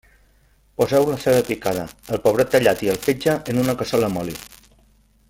Poseu la ceba picada, el pebrot tallat i el fetge en una cassola amb oli.